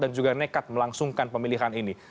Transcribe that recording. mereka melangsungkan pemilihan ini